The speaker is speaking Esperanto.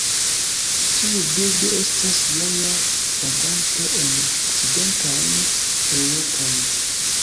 Tiu birdo estas rara vaganto en okcidentan Eŭropon.